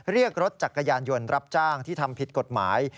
เรียกรถจักรยานยนต์รับจ้างที่ทำผิดกฎหมาย